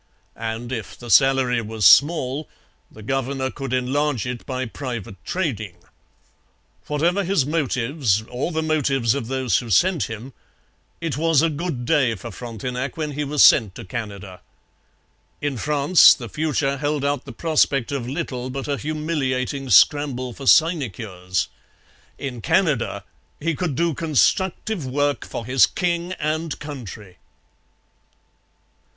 And if the salary was small, the governor could enlarge it by private trading. Whatever his motives, or the motives of those who sent him, it was a good day for Frontenac when he was sent to Canada. In France the future held out the prospect of little but a humiliating scramble for sinecures. In Canada he could do constructive work for his king and country.